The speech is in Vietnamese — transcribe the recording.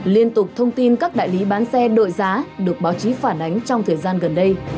liên tục thông tin các đại lý bán xe đội giá được báo chí phản ánh trong thời gian gần đây